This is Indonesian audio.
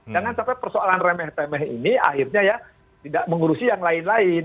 jangan sampai persoalan remeh temeh ini akhirnya ya tidak mengurusi yang lain lain